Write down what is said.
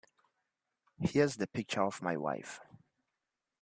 Here's the picture of my wife.